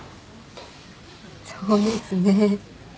そうですね。